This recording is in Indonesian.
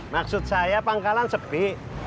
maksud saya pangkalan sepi